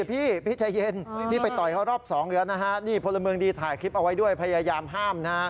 พี่ใจเย็นพี่ไม่ได้นะครับ